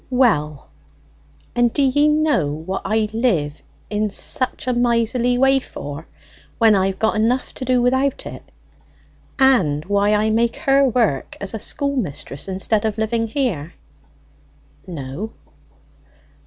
"Well, and do ye know what I live in such a miserly way for when I've got enough to do without it, and why I make her work as a schoolmistress instead of living here?" "No."